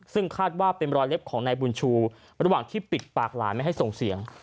ซึ่งคาดว่าเป็นรอยเล็บของนายบุญชูระหว่างที่ปิดปากหลานไม่ให้ส่งเสียง